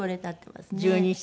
１２歳。